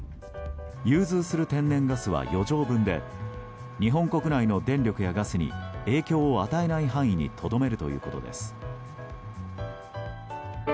融通する天然ガスは余剰分で日本国内の電力やガスに影響を与えない範囲にとどめるということです。